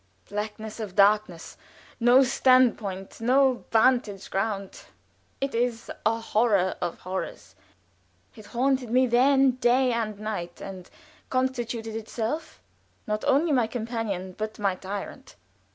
Blackness of darkness no standpoint, no vantage ground it is a horror of horrors; it haunted me then day and night, and constituted itself not only my companion but my tyrant.